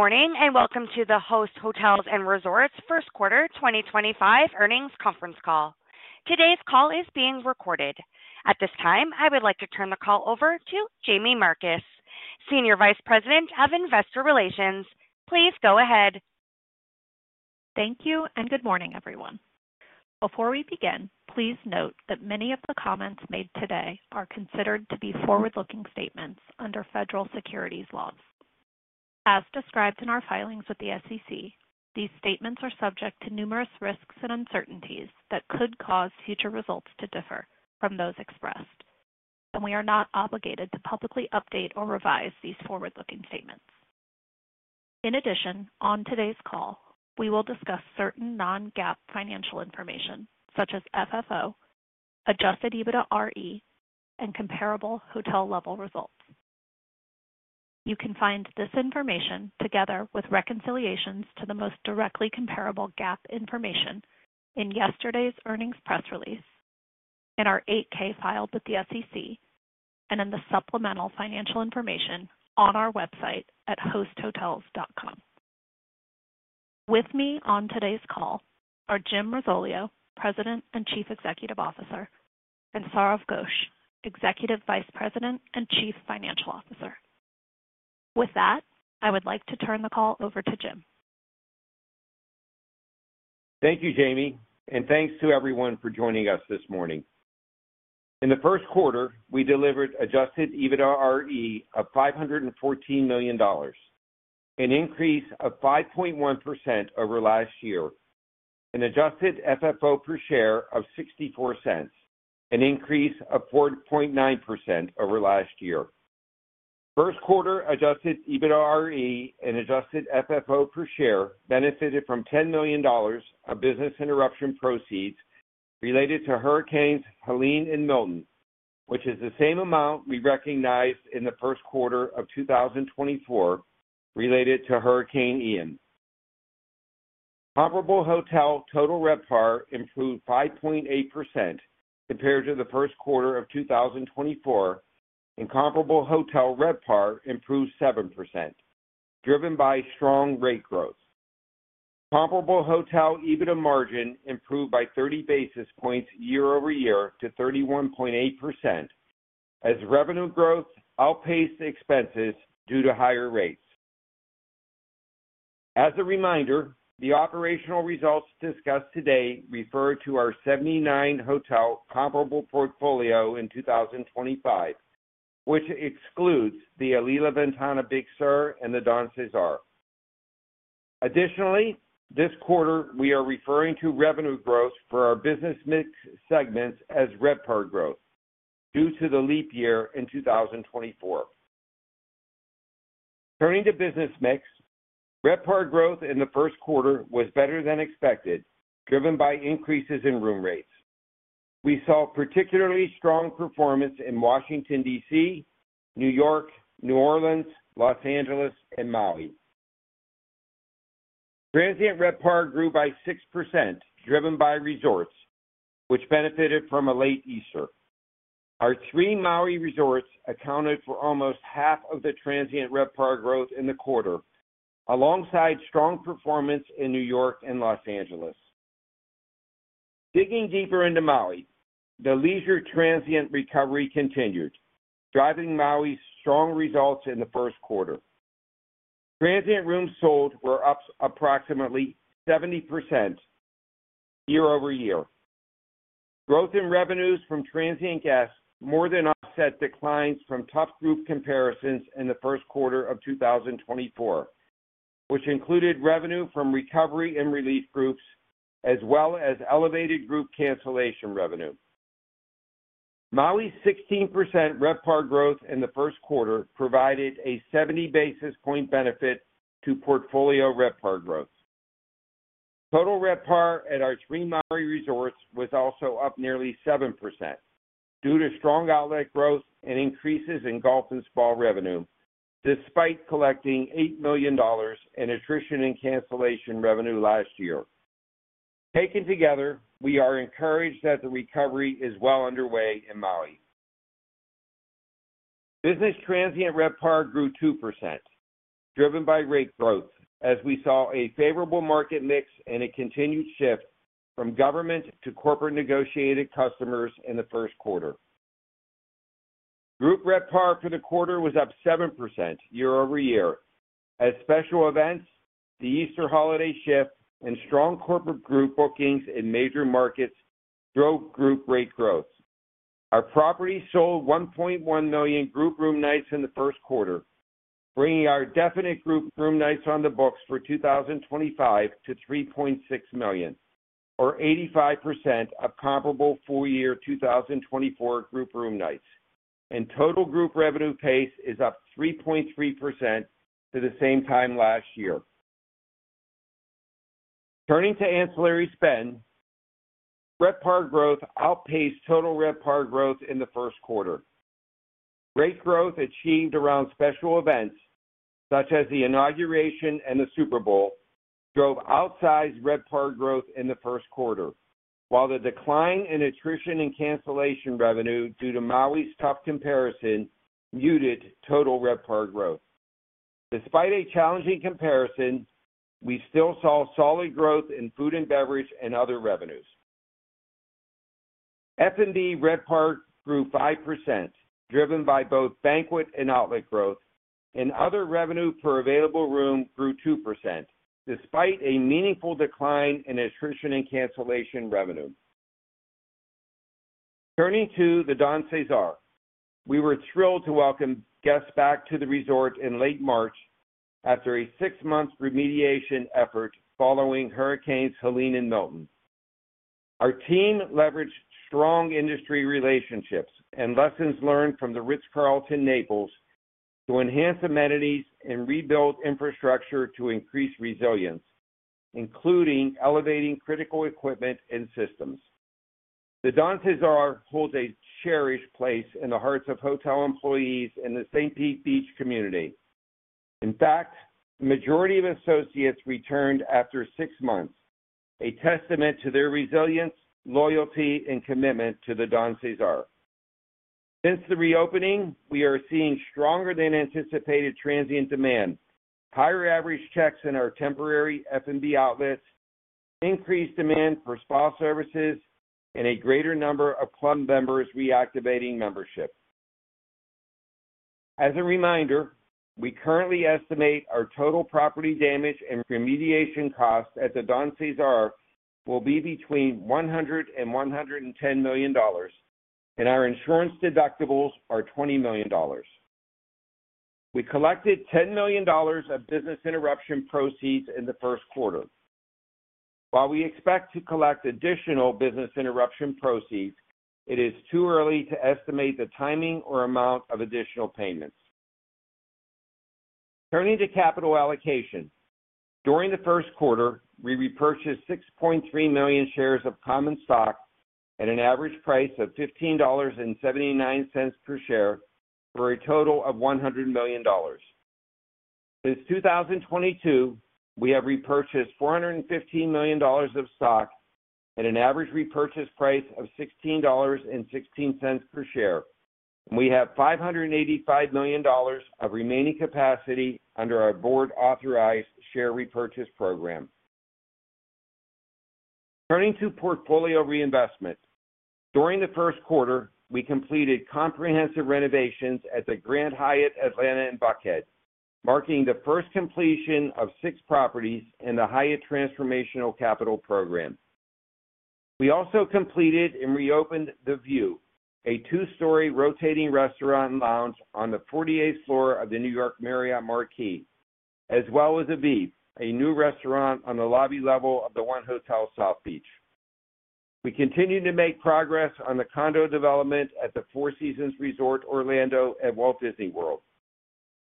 Good morning and welcome to the Host Hotels & Resorts first quarter 2025 earnings conference call. Today's call is being recorded. At this time, I would like to turn the call over to Jaime Marcus, Senior Vice President of Investor Relations. Please go ahead. Thank you and good morning, everyone. Before we begin, please note that many of the comments made today are considered to be forward-looking statements under federal securities laws. As described in our filings with the SEC, these statements are subject to numerous risks and uncertainties that could cause future results to differ from those expressed, and we are not obligated to publicly update or revise these forward-looking statements. In addition, on today's call, we will discuss certain non-GAAP financial information such as FFO, adjusted EBITDAre, and comparable hotel-level results. You can find this information together with reconciliations to the most directly comparable GAAP information in yesterday's earnings press release, in our 8-K filed with the SEC, and in the supplemental financial information on our website at hosthotels.com. With me on today's call are Jim Risoleo, President and Chief Executive Officer, and Sourav Ghosh, Executive Vice President and Chief Financial Officer. With that, I would like to turn the call over to Jim. Thank you, Jaime, and thanks to everyone for joining us this morning. In the first quarter, we delivered adjusted EBITDAre of $514 million, an increase of 5.1% over last year, and adjusted FFO per share of $0.64, an increase of 4.9% over last year. First-quarter adjusted EBITDAre and adjusted FFO per share benefited from $10 million of business interruption proceeds related to Hurricanes Helene and Milton, which is the same amount we recognized in the first quarter of 2024 related to Hurricane Ian. Comparable hotel total RevPAR improved 5.8% compared to the first quarter of 2024, and comparable hotel RevPAR improved 7%, driven by strong rate growth. Comparable hotel EBITDA margin improved by 30 basis points year-over-year to 31.8%, as revenue growth outpaced expenses due to higher rates. As a reminder, the operational results discussed today refer to our 79-hotel comparable portfolio in 2025, which excludes the Alila Ventana Big Sur and The Don CeSar. Additionally, this quarter, we are referring to revenue growth for our business mix segments as RevPAR growth due to the leap year in 2024. Turning to business mix, RevPAR growth in the first quarter was better than expected, driven by increases in room rates. We saw particularly strong performance in Washington D.C., New York, New Orleans, Los Angeles, and Maui. Transient RevPAR grew by 6%, driven by resorts, which benefited from a late Easter. Our three Maui resorts accounted for almost half of the transient RevPAR growth in the quarter, alongside strong performance in New York and Los Angeles. Digging deeper into Maui, the leisure transient recovery continued, driving Maui's strong results in the first quarter. Transient rooms sold were up approximately 70% year-over-year. Growth in revenues from transient guests more than offset declines from tough group comparisons in the first quarter of 2024, which included revenue from recovery and relief groups as well as elevated group cancellation revenue. Maui's 16% RevPAR growth in the first quarter provided a 70 basis point benefit to portfolio RevPAR growth. Total RevPAR at our three Maui resorts was also up nearly 7% due to strong outlet growth and increases in golf and spa revenue, despite collecting $8 million in attrition and cancellation revenue last year. Taken together, we are encouraged that the recovery is well underway in Maui. Business transient RevPAR grew 2%, driven by rate growth, as we saw a favorable market mix and a continued shift from government to corporate negotiated customers in the first quarter. Group RevPAR for the quarter was up 7% year-over-year, as special events, the Easter holiday shift, and strong corporate group bookings in major markets drove group rate growth. Our property sold $1.1 million group room nights in the first quarter, bringing our definite group room nights on the books for 2025 to $3.6 million, or 85% of comparable full-year 2024 group room nights, and total group revenue pace is up 3.3% to the same time last year. Turning to ancillary spend, group RevPAR growth outpaced total RevPAR growth in the first quarter. Rate growth achieved around special events, such as the inauguration and the Super Bowl, drove outsized RevPAR growth in the first quarter, while the decline in attrition and cancellation revenue due to Maui's tough comparison muted total RevPAR growth. Despite a challenging comparison, we still saw solid growth in food and beverage and other revenues. F&B RevPAR grew 5%, driven by both banquet and outlet growth, and other revenue per available room grew 2%, despite a meaningful decline in attrition and cancellation revenue. Turning to The Don CeSar, we were thrilled to welcome guests back to the resort in late March after a six-month remediation effort following Hurricanes Helene and Milton. Our team leveraged strong industry relationships and lessons learned from the Ritz-Carlton, Naples to enhance amenities and rebuild infrastructure to increase resilience, including elevating critical equipment and systems. The Don CeSar holds a cherished place in the hearts of hotel employees in the St. Pete Beach community. In fact, the majority of associates returned after six months, a testament to their resilience, loyalty, and commitment to The Don CeSar. Since the reopening, we are seeing stronger-than-anticipated transient demand, higher average checks in our temporary F&B outlets, increased demand for spa services, and a greater number of club members reactivating membership. As a reminder, we currently estimate our total property damage and remediation costs at The Don CeSar will be between $100 million and $110 million, and our insurance deductibles are $20 million. We collected $10 million of business interruption proceeds in the first quarter. While we expect to collect additional business interruption proceeds, it is too early to estimate the timing or amount of additional payments. Turning to capital allocation, during the first quarter, we repurchased 6.3 million shares of common stock at an average price of $15.79 per share for a total of $100 million. Since 2022, we have repurchased $415 million of stock at an average repurchase price of $16.16 per share, and we have $585 million of remaining capacity under our board-authorized share repurchase program. Turning to portfolio reinvestment, during the first quarter, we completed comprehensive renovations at the Grand Hyatt, Atlanta in Buckhead, marking the first completion of six properties in the Hyatt Transformational Capital Program. We also completed and reopened The View, a two-story rotating restaurant and lounge on the 48th floor of the New York Marriott Marquis, as well as Aviv, a new restaurant on the lobby level of the 1 Hotel South Beach. We continue to make progress on the condo development at the Four Seasons Resort, Orlando at Walt Disney World.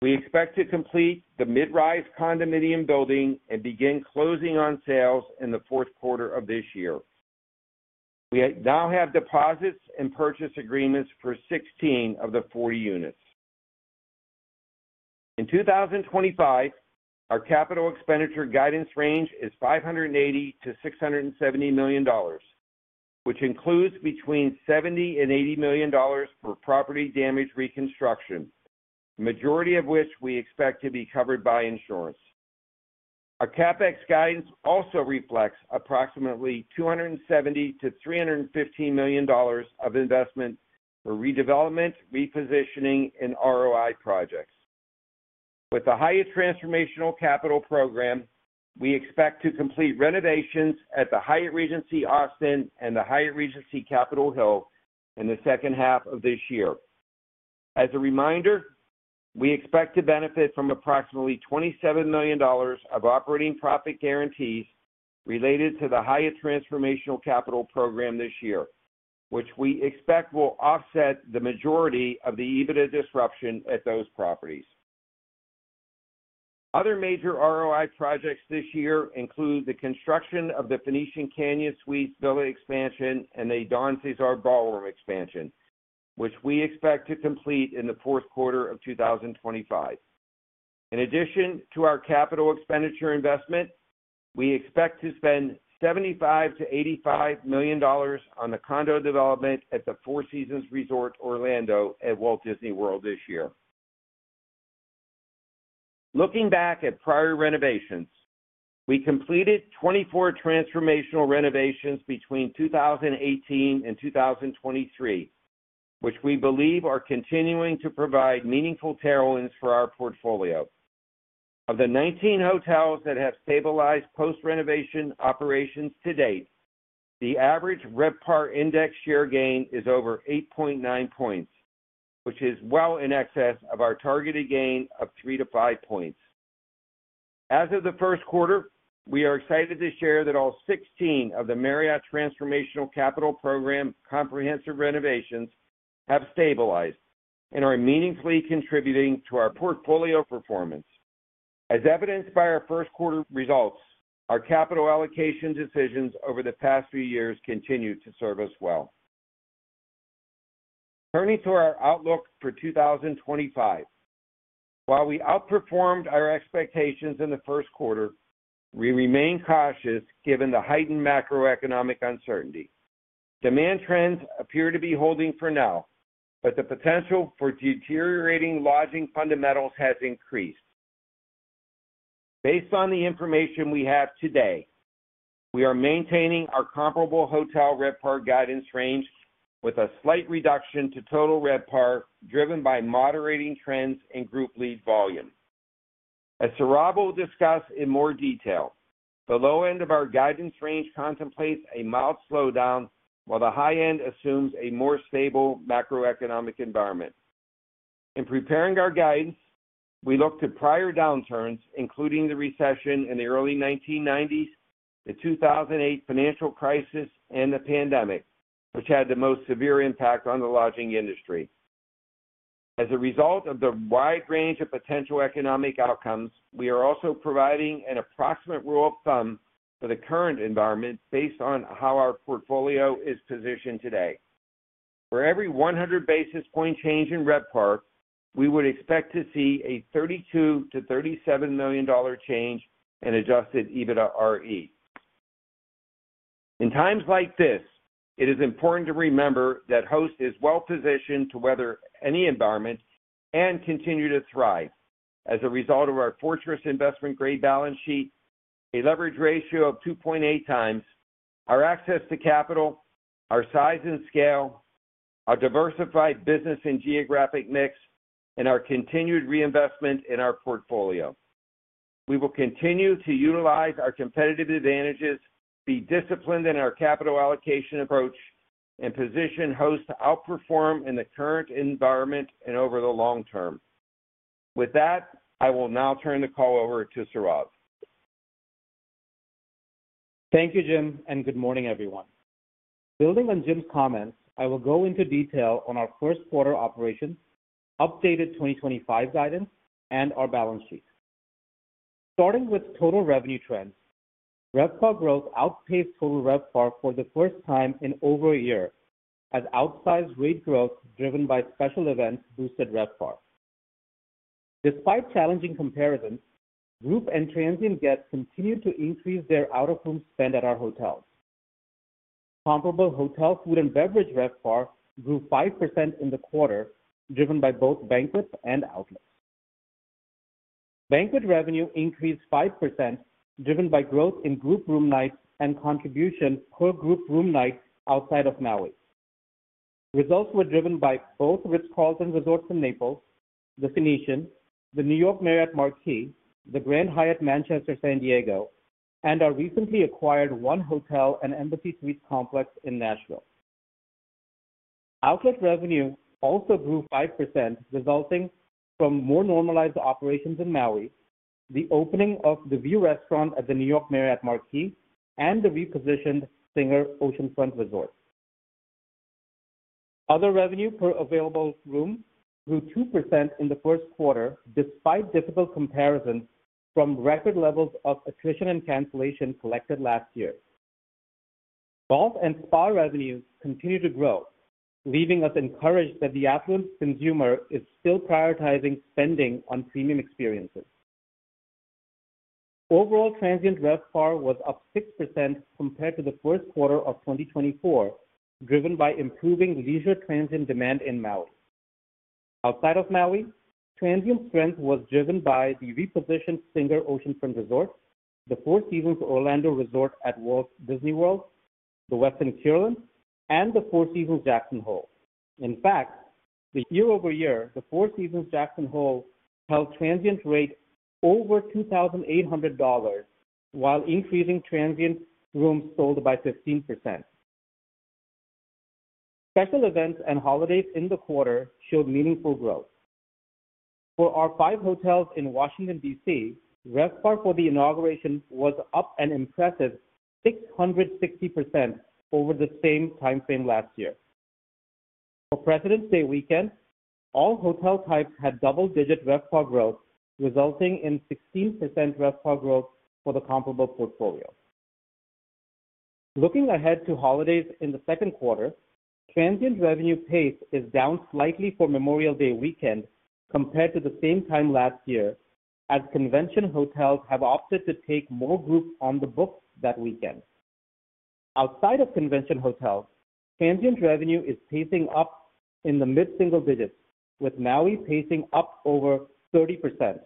We expect to complete the mid-rise condominium building and begin closing on sales in the fourth quarter of this year. We now have deposits and purchase agreements for 16 of the 40 units. In 2025, our capital expenditure guidance range is $580 million-$670 million, which includes between $70 million and $80 million for property damage reconstruction, the majority of which we expect to be covered by insurance. Our CapEx guidance also reflects approximately $270 million-$315 million of investment for redevelopment, repositioning, and ROI projects. With the Hyatt Transformational Capital Program, we expect to complete renovations at the Hyatt Regency Austin and the Hyatt Regency Capitol Hill in the second half of this year. As a reminder, we expect to benefit from approximately $27 million of operating profit guarantees related to the Hyatt Transformational Capital Program this year, which we expect will offset the majority of the EBITDA disruption at those properties. Other major ROI projects this year include the construction of the Phoenician Canyon Suites Villa expansion and the Don CeSar ballroom expansion, which we expect to complete in the fourth quarter of 2025. In addition to our capital expenditure investment, we expect to spend $75 million-$85 million on the condo development at the Four Seasons Resort Orlando at Walt Disney World this year. Looking back at prior renovations, we completed 24 transformational renovations between 2018 and 2023, which we believe are continuing to provide meaningful tailwinds for our portfolio. Of the 19 hotels that have stabilized post-renovation operations to date, the average RevPAR index share gain is over 8.9 percentage points, which is well in excess of our targeted gain of 3-5 percentage points. As of the first quarter, we are excited to share that all 16 of the Marriott Transformational Capital Program comprehensive renovations have stabilized and are meaningfully contributing to our portfolio performance. As evidenced by our first quarter results, our capital allocation decisions over the past few years continue to serve us well. Turning to our outlook for 2025, while we outperformed our expectations in the first quarter, we remain cautious given the heightened macroeconomic uncertainty. Demand trends appear to be holding for now, but the potential for deteriorating lodging fundamentals has increased. Based on the information we have today, we are maintaining our comparable hotel RevPAR guidance range with a slight reduction to total RevPAR driven by moderating trends and group lead volume. As Sourav will discuss in more detail, the low end of our guidance range contemplates a mild slowdown, while the high end assumes a more stable macroeconomic environment. In preparing our guidance, we look to prior downturns, including the recession in the early 1990s, the 2008 financial crisis, and the pandemic, which had the most severe impact on the lodging industry. As a result of the wide range of potential economic outcomes, we are also providing an approximate rule of thumb for the current environment based on how our portfolio is positioned today. For every 100 basis point change in RevPAR, we would expect to see a $32 million-$37 million change in adjusted EBITDAre. In times like this, it is important to remember that Host is well positioned to weather any environment and continue to thrive. As a result of our fortress investment grade balance sheet, a leverage ratio of 2.8 times, our access to capital, our size and scale, our diversified business and geographic mix, and our continued reinvestment in our portfolio, we will continue to utilize our competitive advantages, be disciplined in our capital allocation approach, and position Host to outperform in the current environment and over the long term. With that, I will now turn the call over to Sourav. Thank you, Jim, and good morning, everyone. Building on Jim's comments, I will go into detail on our first quarter operations, updated 2025 guidance, and our balance sheet. Starting with total revenue trends, RevPAR growth outpaced total RevPAR for the first time in over a year, as outsized rate growth driven by special events boosted RevPAR. Despite challenging comparisons, group and transient guests continued to increase their out-of-room spend at our hotels. Comparable hotel food and beverage RevPAR grew 5% in the quarter, driven by both banquets and outlets. Banquet revenue increased 5%, driven by growth in group room nights and contribution per group room night outside of Maui. Results were driven by both Ritz-Carlton resorts in Naples, The Phoenician, the New York Marriott Marquis, the Grand Hyatt Manchester San Diego, and our recently acquired 1 Hotel & Embassy Suites complex in Nashville. Outlet revenue also grew 5%, resulting from more normalized operations in Maui, the opening of The View restaurant at the New York Marriott Marquis, and the repositioned Singer Oceanfront Resort. Other revenue per available room grew 2% in the first quarter, despite difficult comparisons from record levels of attrition and cancellation collected last year. Golf and spa revenues continue to grow, leaving us encouraged that the affluent consumer is still prioritizing spending on premium experiences. Overall, transient RevPAR was up 6% compared to the first quarter of 2024, driven by improving leisure transient demand in Maui. Outside of Maui, transient strength was driven by the repositioned Singer Oceanfront Resort, the Four Seasons Resort Orlando at Walt Disney World, the Westin Kierland, and the Four Seasons Jackson Hole. In fact, year over year, the Four Seasons Jackson Hole held transient rate over $2,800, while increasing transient rooms sold by 15%. Special events and holidays in the quarter showed meaningful growth. For our five hotels in Washington D.C., RevPAR for the inauguration was up an impressive 660% over the same timeframe last year. For Presidents' Day weekend, all hotel types had double-digit RevPAR growth, resulting in 16% RevPAR growth for the comparable portfolio. Looking ahead to holidays in the second quarter, transient revenue pace is down slightly for Memorial Day weekend compared to the same time last year, as convention hotels have opted to take more groups on the book that weekend. Outside of convention hotels, transient revenue is pacing up in the mid-single digits, with Maui pacing up over 30%.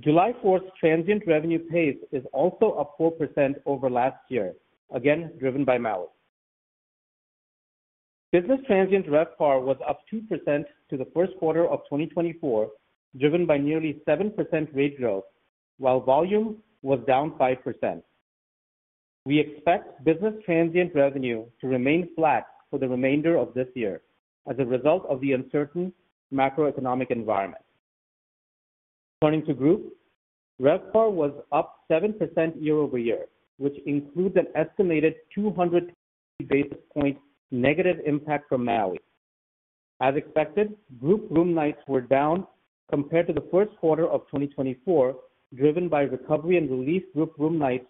July 4th transient revenue pace is also up 4% over last year, again driven by Maui. Business transient RevPAR was up 2% to the first quarter of 2024, driven by nearly 7% rate growth, while volume was down 5%. We expect business transient revenue to remain flat for the remainder of this year as a result of the uncertain macroeconomic environment. Turning to groups, RevPAR was up 7% year-over-year, which includes an estimated 200 basis point negative impact from Maui. As expected, group room nights were down compared to the first quarter of 2024, driven by recovery and relief group room nights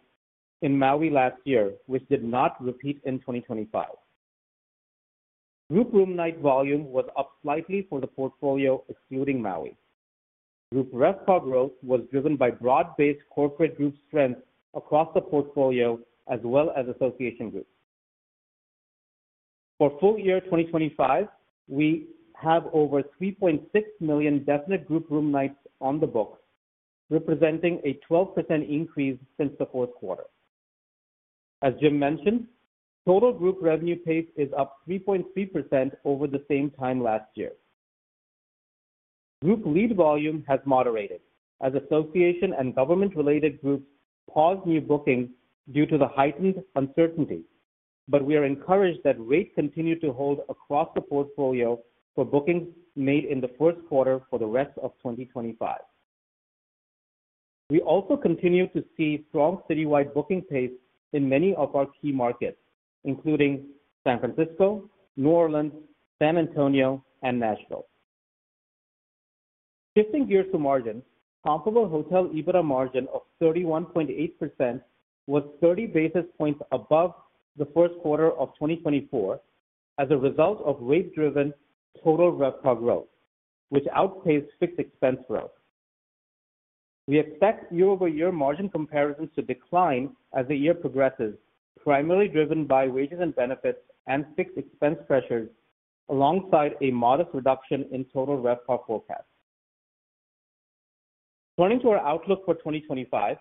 in Maui last year, which did not repeat in 2025. Group room night volume was up slightly for the portfolio excluding Maui. Group RevPAR growth was driven by broad-based corporate group strength across the portfolio, as well as association groups. For full year 2025, we have over $3.6 million definite group room nights on the book, representing a 12% increase since the fourth quarter. As Jim mentioned, total group revenue pace is up 3.3% over the same time last year. Group lead volume has moderated, as association and government-related groups paused new bookings due to the heightened uncertainty, but we are encouraged that rate continued to hold across the portfolio for bookings made in the first quarter for the rest of 2025. We also continue to see strong citywide booking pace in many of our key markets, including San Francisco, New Orleans, San Antonio, and Nashville. Shifting gears to margins, comparable hotel EBITDA margin of 31.8% was 30 basis points above the first quarter of 2024 as a result of rate-driven total RevPAR growth, which outpaced fixed expense growth. We expect year-over-year margin comparisons to decline as the year progresses, primarily driven by wages and benefits and fixed expense pressures, alongside a modest reduction in total RevPAR forecast. Turning to our outlook for 2025,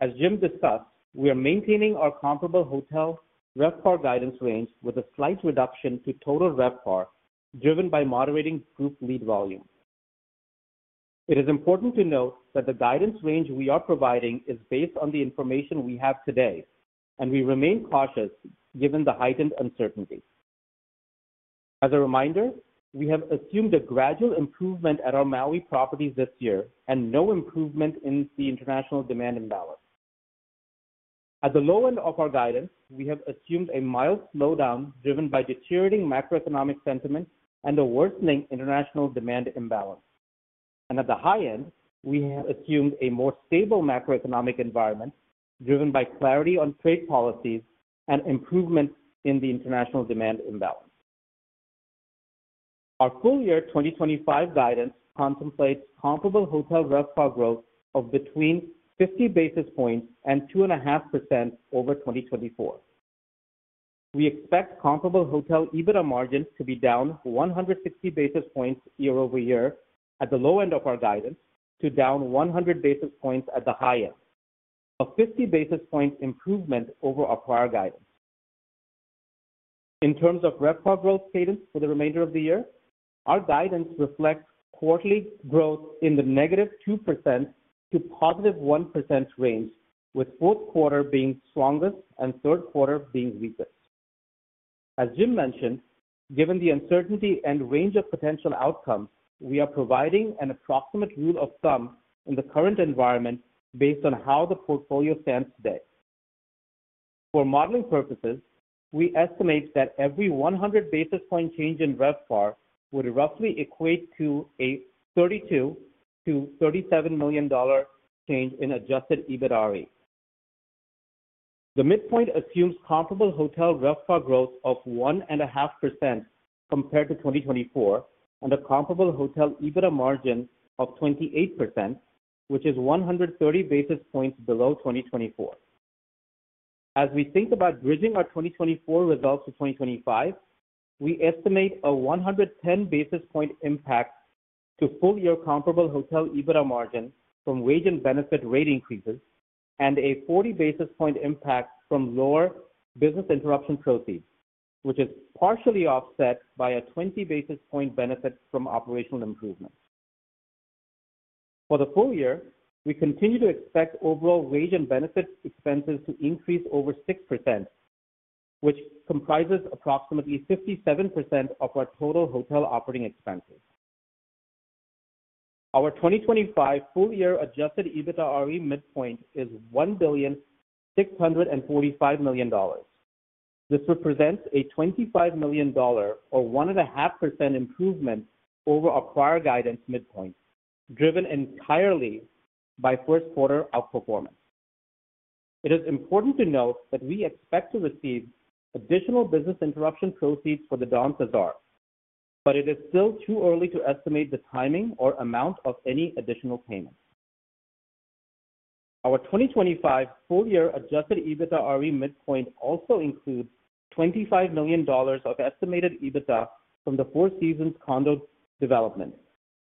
as Jim discussed, we are maintaining our comparable hotel RevPAR guidance range with a slight reduction to total RevPAR, driven by moderating group lead volume. It is important to note that the guidance range we are providing is based on the information we have today, and we remain cautious given the heightened uncertainty. As a reminder, we have assumed a gradual improvement at our Maui properties this year and no improvement in the international demand imbalance. At the low end of our guidance, we have assumed a mild slowdown driven by deteriorating macroeconomic sentiment and a worsening international demand imbalance. At the high end, we have assumed a more stable macroeconomic environment, driven by clarity on trade policies and improvements in the international demand imbalance. Our full year 2025 guidance contemplates comparable hotel RevPAR growth of between 50 basis points and 2.5% over 2024. We expect comparable hotel EBITDA margin to be down 160 basis points year-over-year at the low end of our guidance to down 100 basis points at the high end, a 50 basis point improvement over our prior guidance. In terms of RevPAR growth cadence for the remainder of the year, our guidance reflects quarterly growth in the -2% to +1% range, with fourth quarter being strongest and third quarter being weakest. As Jim mentioned, given the uncertainty and range of potential outcomes, we are providing an approximate rule of thumb in the current environment based on how the portfolio stands today. For modeling purposes, we estimate that every 100 basis point change in RevPAR would roughly equate to a $32 million-$37 million change in adjusted EBITDAre. The midpoint assumes comparable hotel RevPAR growth of 1.5% compared to 2024 and a comparable hotel EBITDA margin of 28%, which is 130 basis points below 2024. As we think about bridging our 2024 results to 2025, we estimate a 110 basis point impact to full year comparable hotel EBITDA margin from wage and benefit rate increases and a 40 basis point impact from lower business interruption proceeds, which is partially offset by a 20 basis point benefit from operational improvements. For the full year, we continue to expect overall wage and benefit expenses to increase over 6%, which comprises approximately 57% of our total hotel operating expenses. Our 2025 full year adjusted EBITDAre midpoint is $1,645 million. This represents a $25 million or 1.5% improvement over our prior guidance midpoint, driven entirely by first quarter outperformance. It is important to note that we expect to receive additional business interruption proceeds for The Don CeSar, but it is still too early to estimate the timing or amount of any additional payments. Our 2025 full year adjusted EBITDAre midpoint also includes $25 million of estimated EBITDA from the Four Seasons condo development,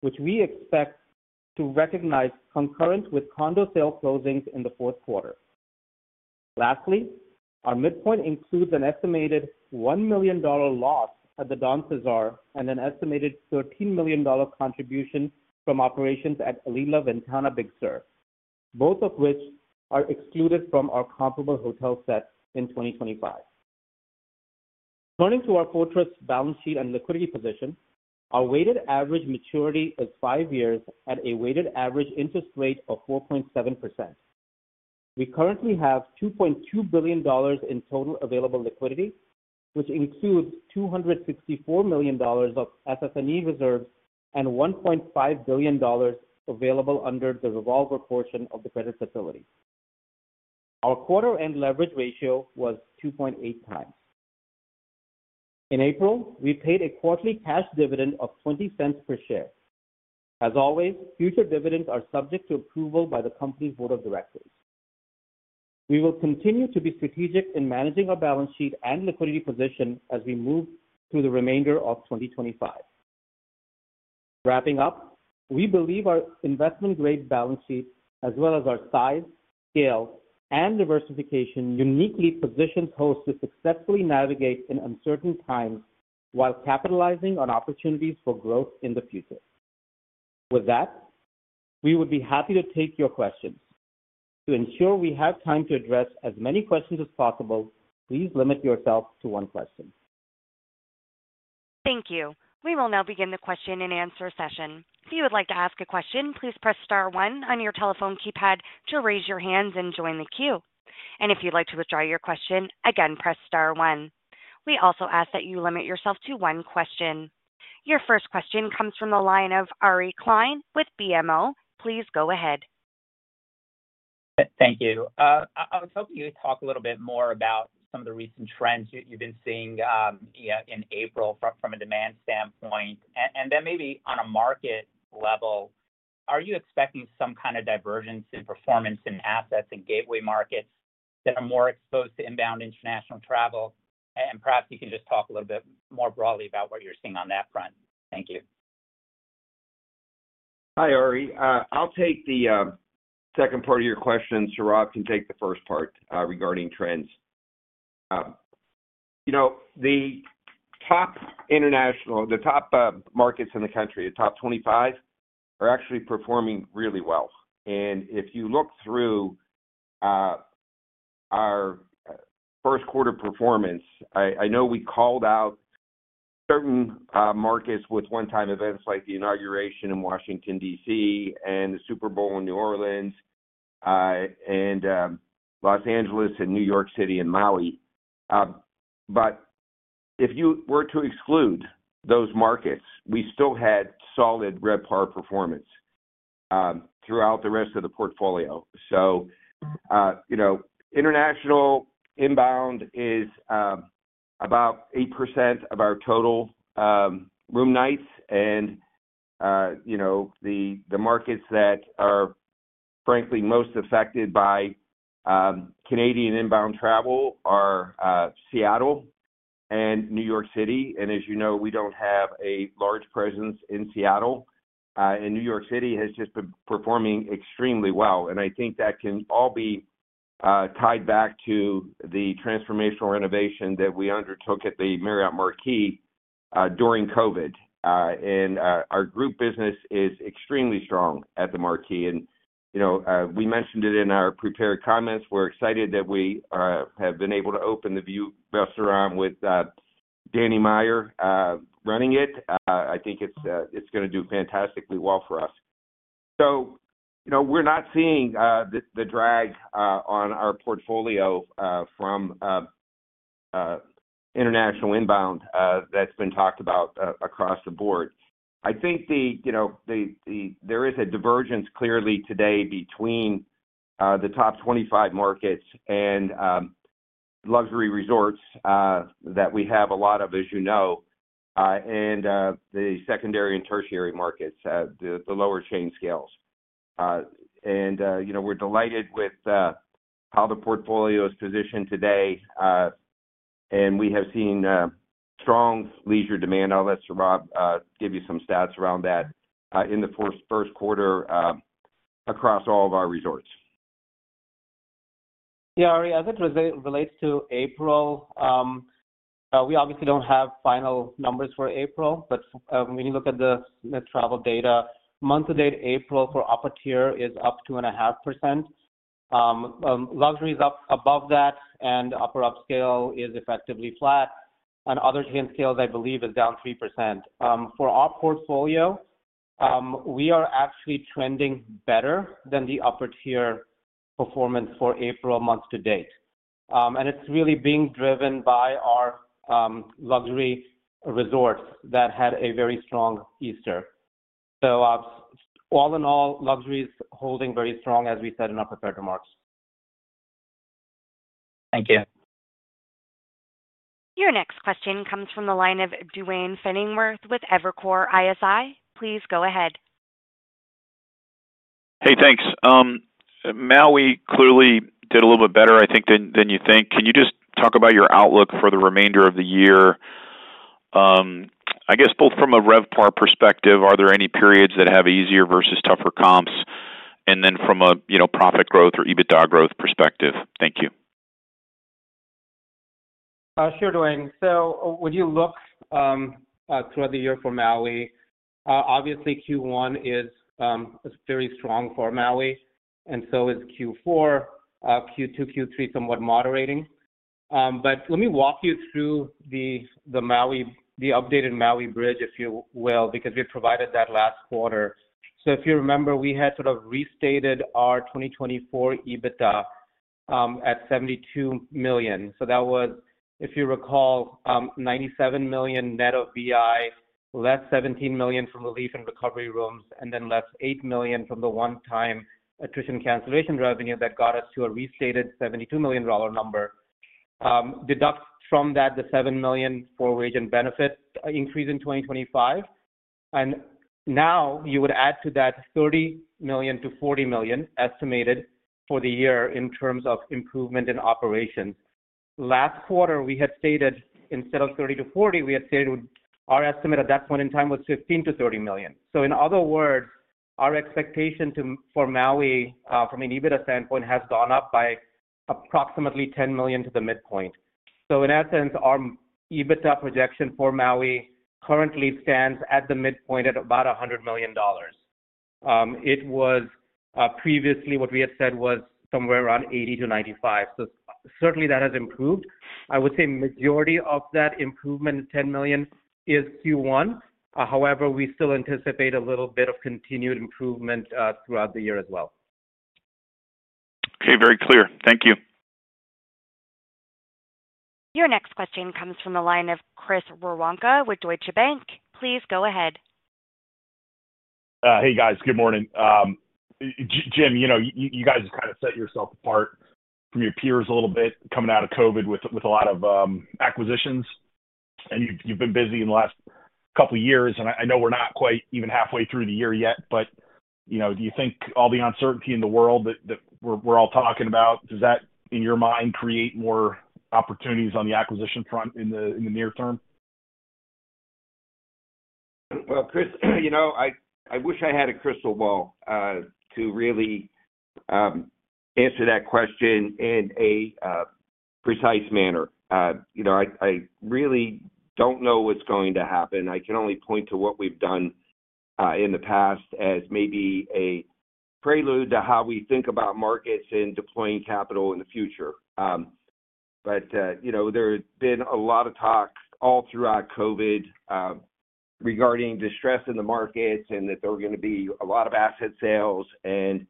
which we expect to recognize concurrent with condo sale closings in the fourth quarter. Lastly, our midpoint includes an estimated $1 million loss at The Don CeSar and an estimated $13 million contribution from operations at Alila Ventana Big Sur, both of which are excluded from our comparable hotel set in 2025. Turning to our fortress balance sheet and liquidity position, our weighted average maturity is five years at a weighted average interest rate of 4.7%. We currently have $2.2 billion in total available liquidity, which includes $264 million of FF&E reserves and $1.5 billion available under the revolver portion of the credit facility. Our quarter-end leverage ratio was 2.8 times. In April, we paid a quarterly cash dividend of $0.20 per share. As always, future dividends are subject to approval by the company's board of directors. We will continue to be strategic in managing our balance sheet and liquidity position as we move through the remainder of 2025. Wrapping up, we believe our investment-grade balance sheet, as well as our size, scale, and diversification, uniquely positions Host to successfully navigate in uncertain times while capitalizing on opportunities for growth in the future. With that, we would be happy to take your questions. To ensure we have time to address as many questions as possible, please limit yourself to one question. Thank you. We will now begin the question and answer session. If you would like to ask a question, please press star one on your telephone keypad to raise your hands and join the queue. If you'd like to withdraw your question, again, press star one. We also ask that you limit yourself to one question. Your first question comes from the line of Ari Klein with BMO. Please go ahead. Perfect. Thank you. I was hoping you would talk a little bit more about some of the recent trends you've been seeing in April from a demand standpoint. Maybe on a market level, are you expecting some kind of divergence in performance in assets and gateway markets that are more exposed to inbound international travel? Perhaps you can just talk a little bit more broadly about what you're seeing on that front. Thank you. Hi, Ari. I'll take the second part of your question. Sourav can take the first part regarding trends. The top markets in the country, the top 25, are actually performing really well. If you look through our first quarter performance, I know we called out certain markets with one-time events like the inauguration in Washington D.C., and the Super Bowl in New Orleans, and Los Angeles, and New York City, and Maui. If you were to exclude those markets, we still had solid RevPAR performance throughout the rest of the portfolio. International inbound is about 8% of our total room nights. The markets that are, frankly, most affected by Canadian inbound travel are Seattle and New York City. As you know, we do not have a large presence in Seattle. New York City has just been performing extremely well. I think that can all be tied back to the transformational renovation that we undertook at the Marriott Marquis during COVID. Our group business is extremely strong at the Marquis. We mentioned it in our prepared comments. We're excited that we have been able to open The View restaurant with Danny Meyer running it. I think it's going to do fantastically well for us. We're not seeing the drag on our portfolio from international inbound that's been talked about across the board. I think there is a divergence clearly today between the top 25 markets and luxury resorts that we have a lot of, as you know, and the secondary and tertiary markets, the lower chain scales. We're delighted with how the portfolio is positioned today. We have seen strong leisure demand. I'll let Sourav give you some stats around that in the first quarter across all of our resorts. Yeah, Ari, as it relates to April, we obviously don't have final numbers for April, but when you look at the travel data, month-to-date April for upper tier is up 2.5%. Luxury is up above that, and upper upscale is effectively flat. Other chain scales, I believe, is down 3%. For our portfolio, we are actually trending better than the upper tier performance for April month-to-date. It's really being driven by our luxury resorts that had a very strong Easter. All in all, luxury is holding very strong, as we said in our prepared remarks. Thank you. Your next question comes from the line of Duane Pfennigwerth with Evercore ISI. Please go ahead. Hey, thanks. Maui clearly did a little bit better, I think, than you think. Can you just talk about your outlook for the remainder of the year? I guess both from a RevPAR perspective, are there any periods that have easier versus tougher comps? And then from a profit growth or EBITDA growth perspective? Thank you. Sure, Duane. When you look throughout the year for Maui, obviously Q1 is very strong for Maui, and so is Q4. Q2, Q3 somewhat moderating. Let me walk you through the updated Maui bridge, if you will, because we provided that last quarter. If you remember, we had sort of restated our 2024 EBITDA at $72 million. That was, if you recall, $97 million net of business interruption, less $17 million from relief and recovery rooms, and then less $8 million from the one-time attrition cancellation revenue that got us to a restated $72 million number. Deduct from that the $7 million for wage and benefit increase in 2025. You would add to that $30 million-$40 million estimated for the year in terms of improvement in operations. Last quarter, we had stated instead of $30 million-$40 million, we had stated our estimate at that point in time was $15 million-$30 million. In other words, our expectation for Maui from an EBITDA standpoint has gone up by approximately $10 million to the midpoint. In essence, our EBITDA projection for Maui currently stands at the midpoint at about $100 million. It was previously what we had said was somewhere around $80 million-$95 million. Certainly that has improved. I would say majority of that improvement in $10 million is Q1. However, we still anticipate a little bit of continued improvement throughout the year as well. Okay, very clear. Thank you. Your next question comes from the line of Chris Woronka with Deutsche Bank. Please go ahead. Hey, guys. Good morning. Jim, you guys have kind of set yourself apart from your peers a little bit coming out of COVID with a lot of acquisitions. And you've been busy in the last couple of years. I know we're not quite even halfway through the year yet, but do you think all the uncertainty in the world that we're all talking about, does that, in your mind, create more opportunities on the acquisition front in the near term? Chris, I wish I had a crystal ball to really answer that question in a precise manner. I really don't know what's going to happen. I can only point to what we've done in the past as maybe a prelude to how we think about markets and deploying capital in the future. There have been a lot of talk all throughout COVID regarding distress in the markets and that there were going to be a lot of asset sales, and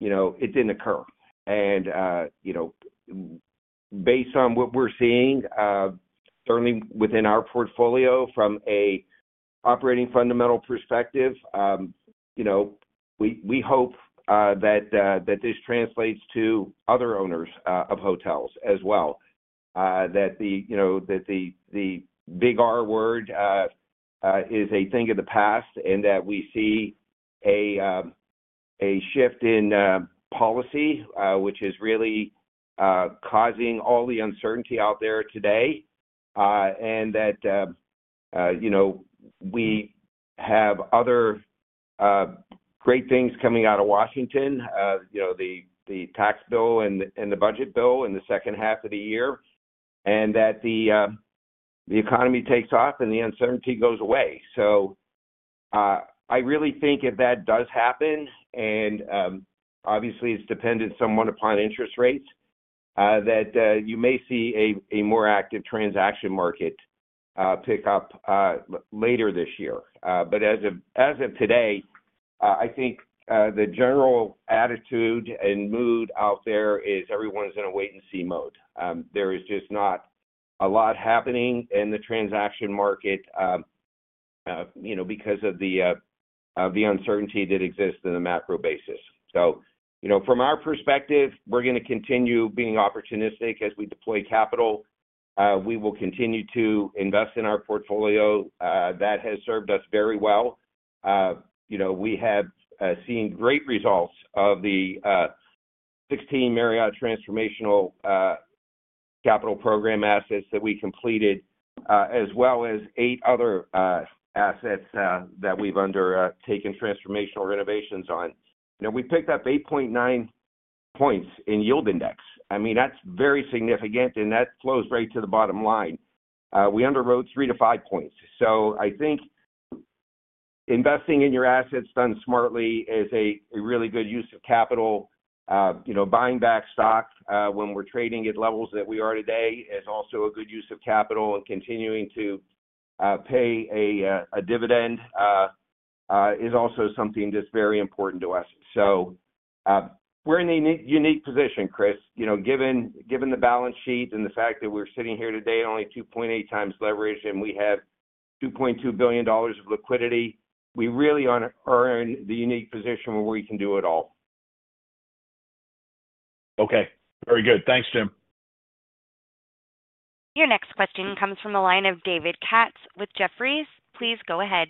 it did not occur. Based on what we are seeing, certainly within our portfolio from an operating fundamental perspective, we hope that this translates to other owners of hotels as well, that the big R word is a thing of the past, and that we see a shift in policy, which is really causing all the uncertainty out there today, and that we have other great things coming out of Washington, the tax bill and the budget bill in the second half of the year, and that the economy takes off and the uncertainty goes away. I really think if that does happen, and obviously it's dependent somewhat upon interest rates, that you may see a more active transaction market pick up later this year. As of today, I think the general attitude and mood out there is everyone's in a wait-and-see mode. There is just not a lot happening in the transaction market because of the uncertainty that exists in the macro basis. From our perspective, we're going to continue being opportunistic as we deploy capital. We will continue to invest in our portfolio. That has served us very well. We have seen great results of the 16 Marriott Transformational Capital Program assets that we completed, as well as eight other assets that we've undertaken transformational renovations on. We picked up 8.9 points in yield index. I mean, that's very significant, and that flows right to the bottom line. We underwrote three to five points. I think investing in your assets done smartly is a really good use of capital. Buying back stock when we're trading at levels that we are today is also a good use of capital, and continuing to pay a dividend is also something that's very important to us. We're in a unique position, Chris, given the balance sheet and the fact that we're sitting here today at only 2.8 times leverage, and we have $2.2 billion of liquidity. We really are in the unique position where we can do it all. Okay. Very good. Thanks, Jim. Your next question comes from the line of David Katz with Jefferies. Please go ahead.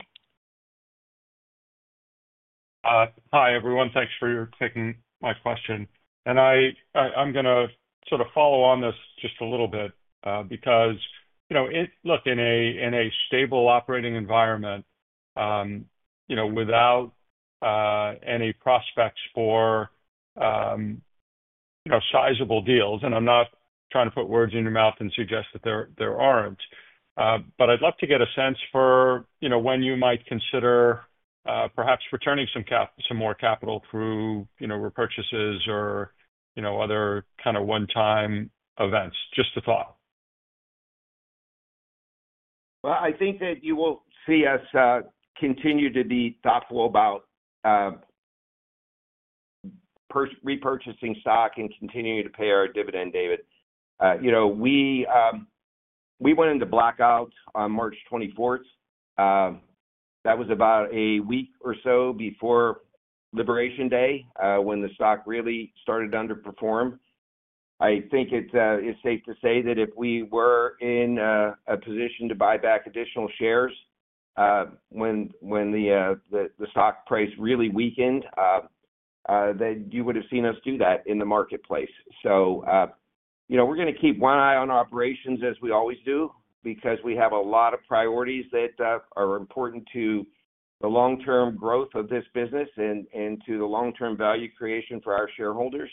Hi, everyone. Thanks for taking my question. I'm going to sort of follow on this just a little bit because, look, in a stable operating environment without any prospects for sizable deals, and I'm not trying to put words in your mouth and suggest that there aren't, but I'd love to get a sense for when you might consider perhaps returning some more capital through repurchases or other kind of one-time events, just a thought. I think that you will see us continue to be thoughtful about repurchasing stock and continuing to pay our dividend, David. We went into blackout on March 24th. That was about a week or so before Liberation Day when the stock really started to underperform. I think it's safe to say that if we were in a position to buy back additional shares when the stock price really weakened, then you would have seen us do that in the marketplace. We're going to keep one eye on operations as we always do because we have a lot of priorities that are important to the long-term growth of this business and to the long-term value creation for our shareholders.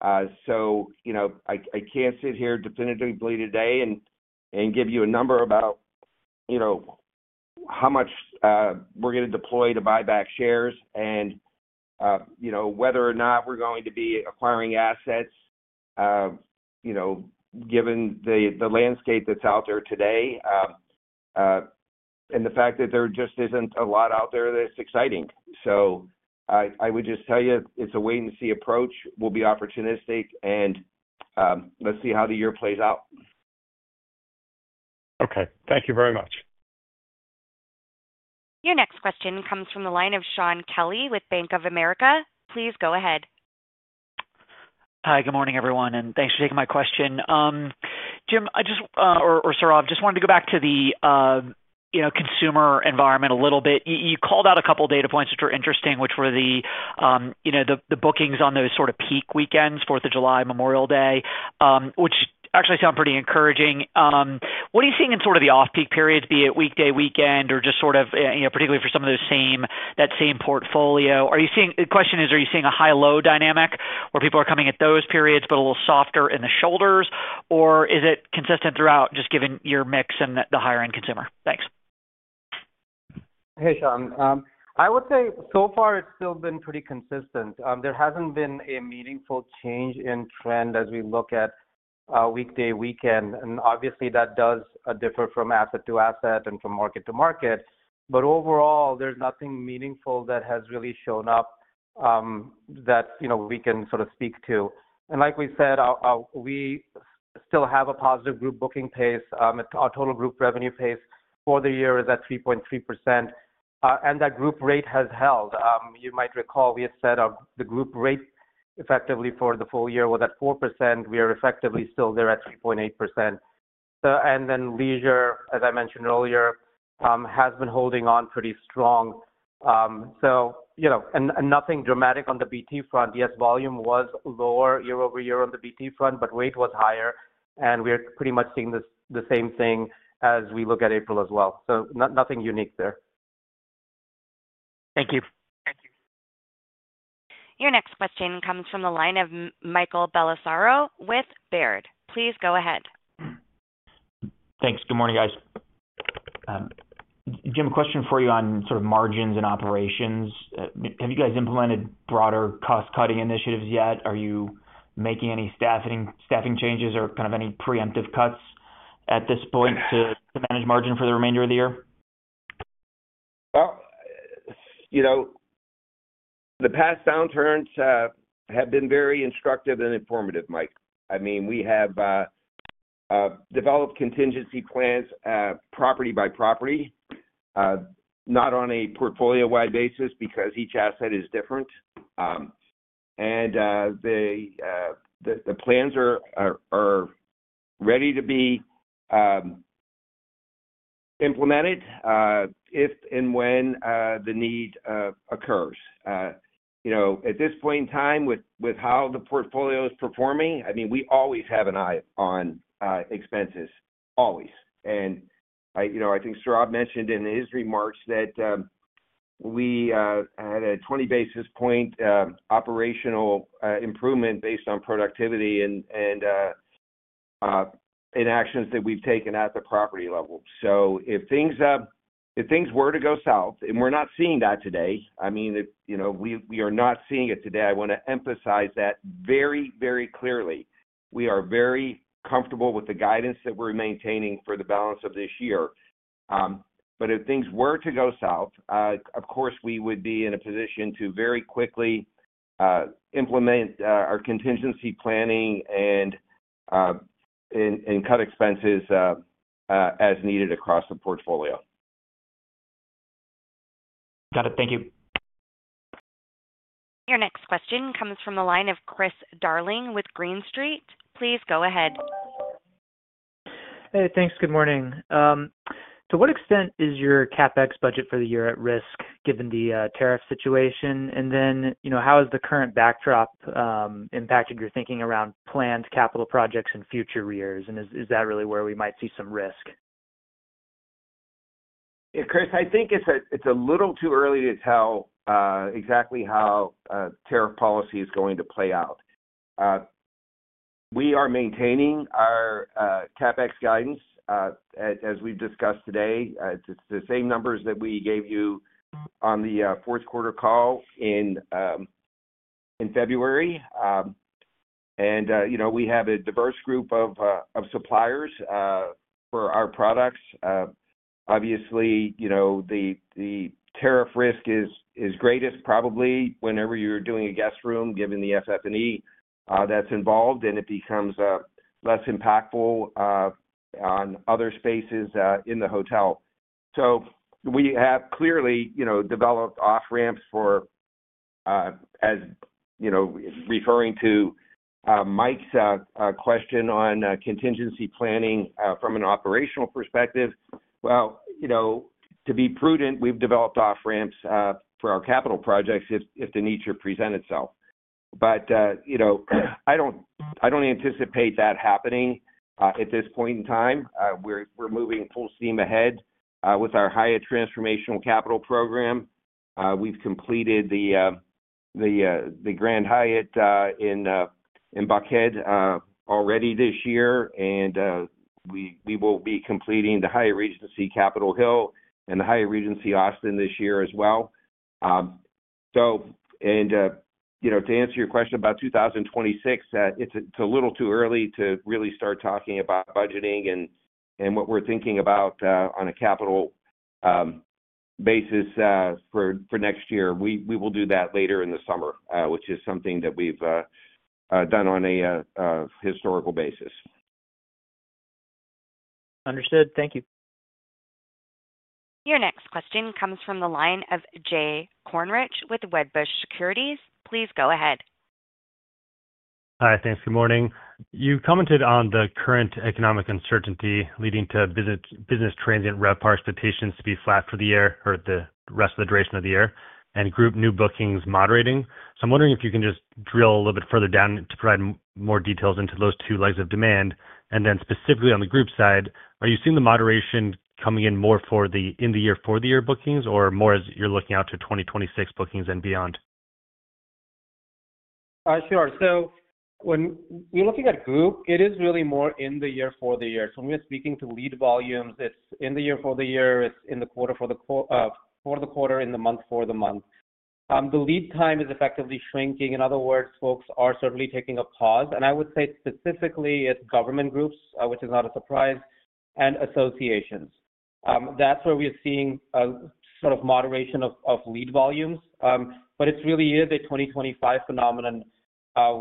I can't sit here definitively today and give you a number about how much we're going to deploy to buy back shares and whether or not we're going to be acquiring assets given the landscape that's out there today and the fact that there just isn't a lot out there that's exciting. I would just tell you it's a wait-and-see approach. We'll be opportunistic, and let's see how the year plays out. Thank you very much. Your next question comes from the line of Shaun Kelly with Bank of America. Please go ahead. Hi, good morning, everyone, and thanks for taking my question. Jim, or Sourav, just wanted to go back to the consumer environment a little bit. You called out a couple of data points which were interesting, which were the bookings on those sort of peak weekends, 4th of July, Memorial Day, which actually sound pretty encouraging. What are you seeing in sort of the off-peak periods, be it weekday, weekend, or just sort of particularly for some of that same portfolio? The question is, are you seeing a high-low dynamic where people are coming at those periods but a little softer in the shoulders, or is it consistent throughout just given your mix and the higher-end consumer? Thanks. Hey, Shaun. I would say so far it's still been pretty consistent. There hasn't been a meaningful change in trend as we look at weekday, weekend. Obviously, that does differ from asset to asset and from market to market. Overall, there is nothing meaningful that has really shown up that we can sort of speak to. Like we said, we still have a positive group booking pace. Our total group revenue pace for the year is at 3.3%. That group rate has held. You might recall we had said the group rate effectively for the full year was at 4%. We are effectively still there at 3.8%. Leisure, as I mentioned earlier, has been holding on pretty strong. Nothing dramatic on the BT front. Yes, volume was lower year-over-year on the BT front, but rate was higher. We are pretty much seeing the same thing as we look at April as well. Nothing unique there. Thank you. Thank you. Your next question comes from the line of Michael Bellisario with Baird. Please go ahead. Thanks. Good morning, guys. Jim, a question for you on sort of margins and operations. Have you guys implemented broader cost-cutting initiatives yet? Are you making any staffing changes or kind of any preemptive cuts at this point to manage margin for the remainder of the year? The past downturns have been very instructive and informative, Mike. I mean, we have developed contingency plans property by property, not on a portfolio-wide basis because each asset is different. The plans are ready to be implemented if and when the need occurs. At this point in time, with how the portfolio is performing, I mean, we always have an eye on expenses, always. I think Sourav mentioned in his remarks that we had a 20 basis point operational improvement based on productivity and actions that we've taken at the property level. If things were to go south, and we're not seeing that today, I mean, we are not seeing it today. I want to emphasize that very, very clearly. We are very comfortable with the guidance that we're maintaining for the balance of this year. If things were to go south, of course, we would be in a position to very quickly implement our contingency planning and cut expenses as needed across the portfolio. Got it. Thank you. Your next question comes from the line of Chris Darling with Green Street. Please go ahead. Hey, thanks. Good morning. To what extent is your CapEx budget for the year at risk given the tariff situation? How has the current backdrop impacted your thinking around planned capital projects and future years? Is that really where we might see some risk? Chris, I think it's a little too early to tell exactly how tariff policy is going to play out. We are maintaining our CapEx guidance as we've discussed today. It's the same numbers that we gave you on the fourth quarter call in February. We have a diverse group of suppliers for our products. Obviously, the tariff risk is greatest probably whenever you're doing a guest room, given the FF&E that's involved, and it becomes less impactful on other spaces in the hotel. We have clearly developed off-ramps for, as referring to Mike's question on contingency planning from an operational perspective. To be prudent, we've developed off-ramps for our capital projects if the nature presents itself. I don't anticipate that happening at this point in time. We're moving full steam ahead with our Hyatt Transformational Capital Program. We've completed the Grand Hyatt in Buckhead already this year, and we will be completing the Hyatt Regency Capitol Hill and the Hyatt Regency Austin this year as well. To answer your question about 2026, it's a little too early to really start talking about budgeting and what we're thinking about on a capital basis for next year. We will do that later in the summer, which is something that we've done on a historical basis. Understood. Thank you. Your next question comes from the line of Jay Kornreich with Wedbush Securities. Please go ahead. Hi, thanks. Good morning. You commented on the current economic uncertainty leading to business transient RevPAR participations to be flat for the year or the rest of the duration of the year and group new bookings moderating. I'm wondering if you can just drill a little bit further down to provide more details into those two legs of demand. Then specifically on the group side, are you seeing the moderation coming in more for the in-the-year-for-the-year bookings or more as you're looking out to 2026 bookings and beyond? Sure. When we're looking at group, it is really more in the year for the year. When we're speaking to lead volumes, it's in the year for the year. It's in the quarter for the quarter, in the month for the month. The lead time is effectively shrinking. In other words, folks are certainly taking a pause. I would say specifically it's government groups, which is not a surprise, and associations. That's where we are seeing sort of moderation of lead volumes. It's really the 2025 phenomenon.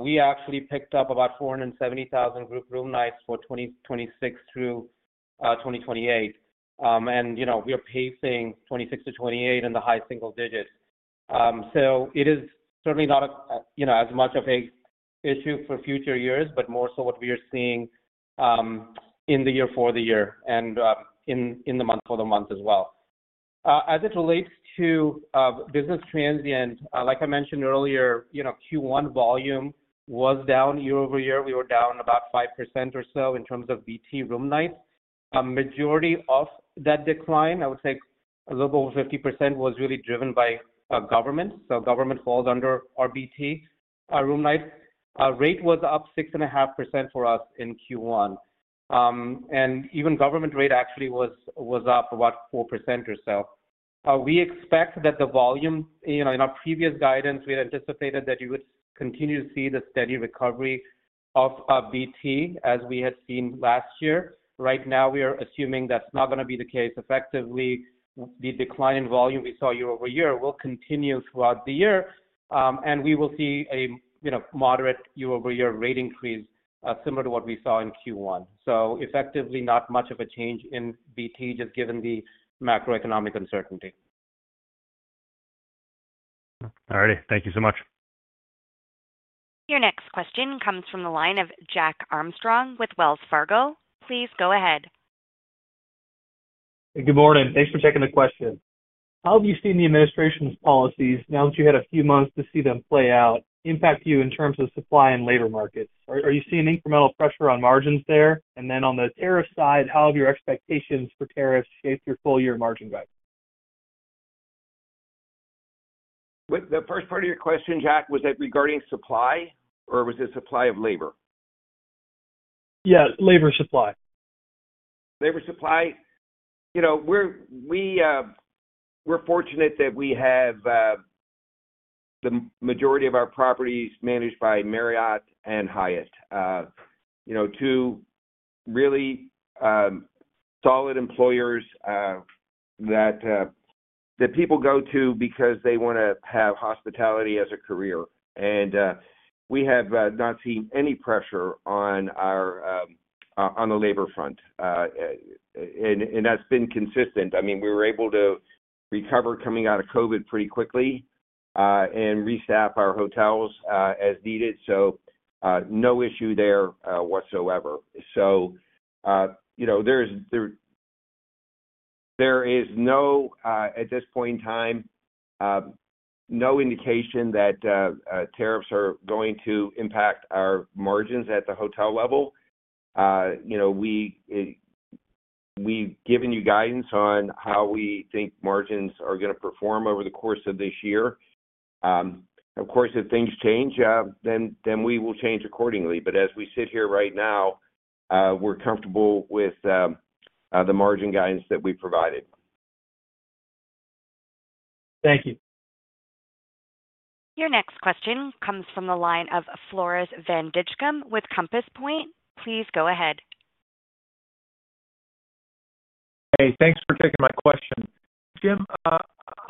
We actually picked up about 470,000 group room nights for 2026 through 2028. We are pacing 2026-2028 in the high single digits. It is certainly not as much of an issue for future years, but more so what we are seeing in the year for the year and in the month for the month as well. As it relates to business transient, like I mentioned earlier, Q1 volume was down year-over-year. We were down about 5% or so in terms of BT room nights. Majority of that decline, I would say a little over 50%, was really driven by government. Government falls under our BT room nights. Rate was up 6.5% for us in Q1. Even government rate actually was up about 4% or so. We expect that the volume in our previous guidance, we had anticipated that you would continue to see the steady recovery of BT as we had seen last year. Right now, we are assuming that's not going to be the case. Effectively, the decline in volume we saw year-over-year will continue throughout the year. We will see a moderate year-over-year rate increase similar to what we saw in Q1. Effectively, not much of a change in BT just given the macroeconomic uncertainty. All righty. Thank you so much. Your next question comes from the line of Jack Armstrong with Wells Fargo. Please go ahead. Good morning. Thanks for taking the question. How have you seen the administration's policies now that you had a few months to see them play out impact you in terms of supply and labor markets? Are you seeing incremental pressure on margins there? On the tariff side, how have your expectations for tariffs shaped your full-year margin guide? The first part of your question, Jack, was it regarding supply, or was it supply of labor? Yeah, labor supply. Labor supply. We're fortunate that we have the majority of our properties managed by Marriott and Hyatt, two really solid employers that people go to because they want to have hospitality as a career. We have not seen any pressure on the labor front. That's been consistent. I mean, we were able to recover coming out of COVID pretty quickly and restaff our hotels as needed. No issue there whatsoever. There is, at this point in time, no indication that tariffs are going to impact our margins at the hotel level. We've given you guidance on how we think margins are going to perform over the course of this year. Of course, if things change, then we will change accordingly. As we sit here right now, we're comfortable with the margin guidance that we provided. Thank you. Your next question comes from the line of Floris van Dijkum with Compass Point. Please go ahead. Hey, thanks for taking my question. Jim, I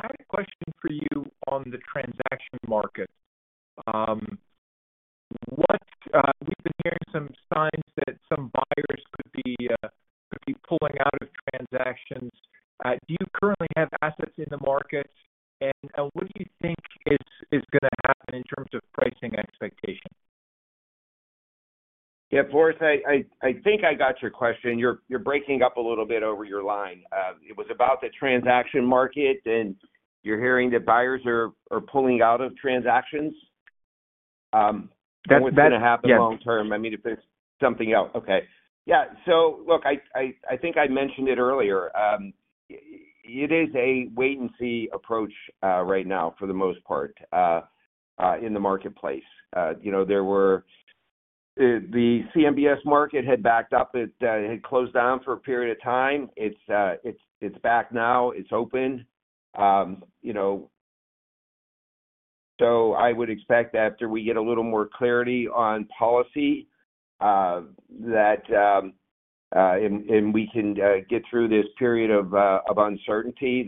had a question for you on the transaction market. We've been hearing some signs that some buyers could be pulling out of transactions. Do you currently have assets in the market? What do you think is going to happen in terms of pricing expectation? Yeah, Floris, I think I got your question. You're breaking up a little bit over your line. It was about the transaction market, and you're hearing that buyers are pulling out of transactions. That's going to happen long term. I mean, if it's something else. Okay. I think I mentioned it earlier. It is a wait-and-see approach right now for the most part in the marketplace. The CMBS market had backed up. It had closed down for a period of time. It's back now. It's open. I would expect that after we get a little more clarity on policy and we can get through this period of uncertainty,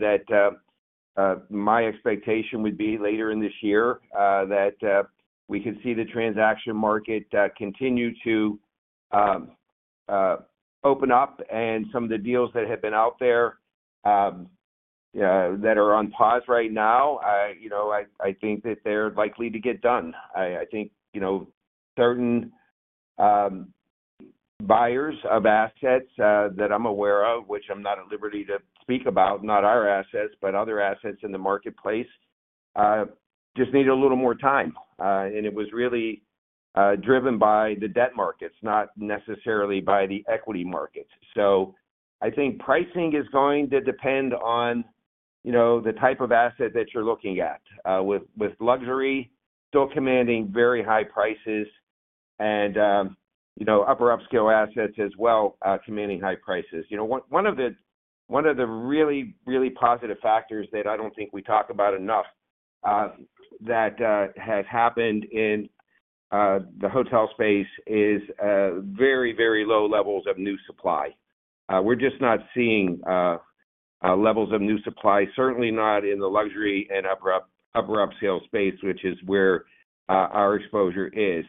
my expectation would be later in this year that we could see the transaction market continue to open up. Some of the deals that have been out there that are on pause right now, I think that they're likely to get done. I think certain buyers of assets that I'm aware of, which I'm not at liberty to speak about, not our assets, but other assets in the marketplace just need a little more time. It was really driven by the debt markets, not necessarily by the equity markets. I think pricing is going to depend on the type of asset that you're looking at, with luxury still commanding very high prices and upper-upscale assets as well commanding high prices. One of the really, really positive factors that I don't think we talk about enough that has happened in the hotel space is very, very low levels of new supply. We're just not seeing levels of new supply, certainly not in the luxury and upper-upscale space, which is where our exposure is.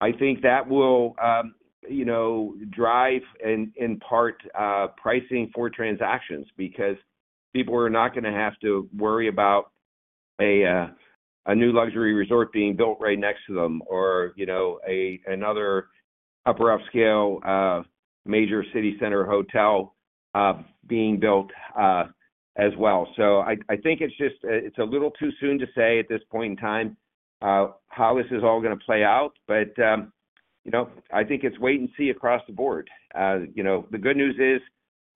I think that will drive in part pricing for transactions because people are not going to have to worry about a new luxury resort being built right next to them or another upper-upscale major city center hotel being built as well. I think it's a little too soon to say at this point in time how this is all going to play out. I think it's wait and see across the board. The good news is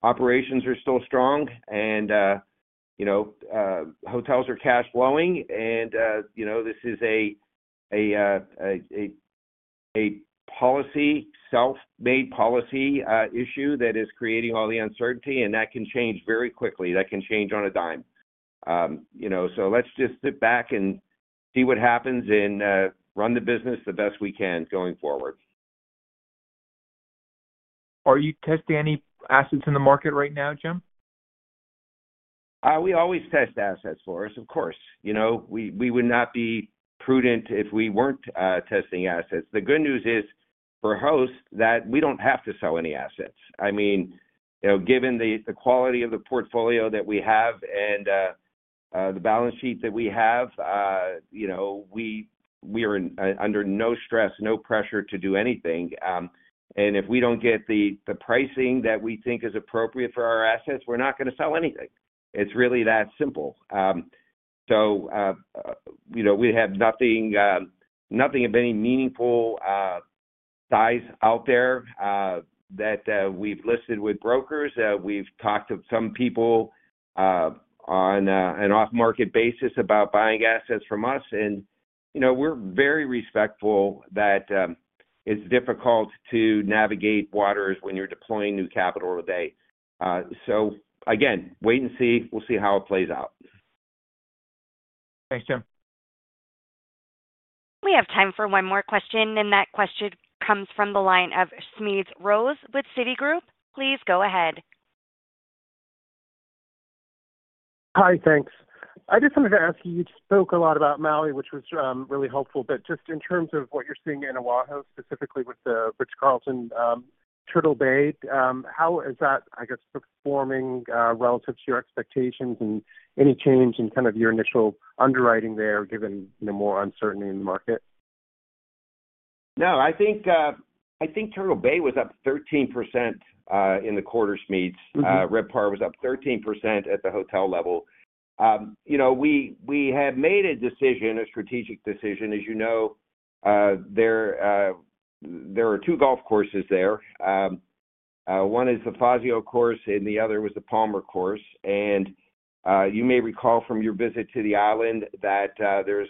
operations are still strong, and hotels are cash-flowing. This is a policy, self-made policy issue that is creating all the uncertainty. That can change very quickly. That can change on a dime. Let's just sit back and see what happens and run the business the best we can going forward. Are you testing any assets in the market right now, Jim? We always test assets for us, of course. We would not be prudent if we weren't testing assets. The good news is for Host that we don't have to sell any assets. I mean, given the quality of the portfolio that we have and the balance sheet that we have, we are under no stress, no pressure to do anything. If we do not get the pricing that we think is appropriate for our assets, we are not going to sell anything. It is really that simple. We have nothing of any meaningful size out there that we have listed with brokers. We have talked to some people on an off-market basis about buying assets from us. We are very respectful that it is difficult to navigate waters when you are deploying new capital today. Again, wait and see. We will see how it plays out. Thanks, Jim. We have time for one more question. That question comes from the line of Smedes Rose with Citigroup. Please go ahead. Hi, thanks. I just wanted to ask you. You spoke a lot about Maui, which was really helpful. Just in terms of what you're seeing in O'ahu, specifically with the Ritz-Carlton Turtle Bay, how is that, I guess, performing relative to your expectations and any change in kind of your initial underwriting there given more uncertainty in the market? No, I think Turtle Bay was up 13% in the quarter. RevPAR was up 13% at the hotel level. We had made a decision, a strategic decision. As you know, there are two golf courses there. One is the Fazio Course, and the other was the Palmer Course. You may recall from your visit to the island that there's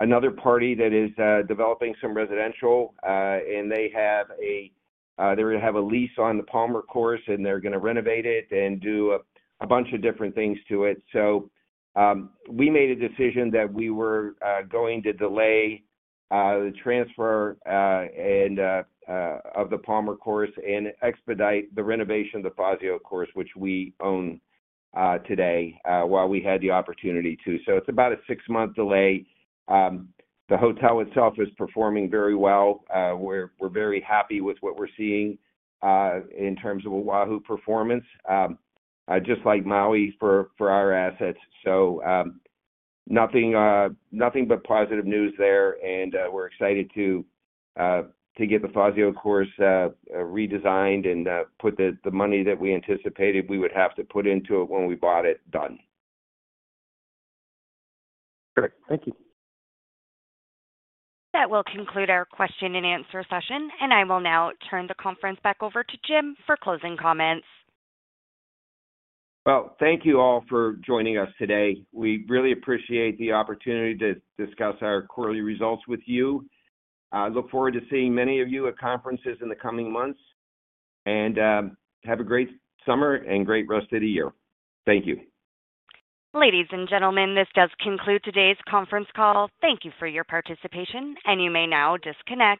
another party that is developing some residential, and they have a lease on the Palmer Course, and they're going to renovate it and do a bunch of different things to it. We made a decision that we were going to delay the transfer of the Palmer Course and expedite the renovation of the Fazio Course, which we own today while we had the opportunity to. It is about a six-month delay. The hotel itself is performing very well. We are very happy with what we are seeing in terms of O'ahu performance, just like Maui for our assets. Nothing but positive news there. We are excited to get the Fazio Course redesigned and put the money that we anticipated we would have to put into it when we bought it done. Perfect. Thank you. That will conclude our question and answer session. I will now turn the conference back over to Jim for closing comments. Thank you all for joining us today. We really appreciate the opportunity to discuss our quarterly results with you. I look forward to seeing many of you at conferences in the coming months. Have a great summer and great rest of the year. Thank you. Ladies and gentlemen, this does conclude today's conference call. Thank you for your participation. You may now disconnect.